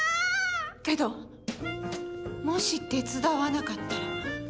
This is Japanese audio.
けど、もし手伝わなかったら。